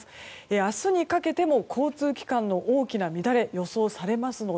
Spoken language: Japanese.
明日にかけても交通機関の大きな乱れが予想されますので